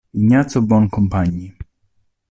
Ignazio Boncompagni